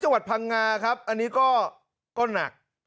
จังหวัดพังงาครับอันนี้ก็หนัก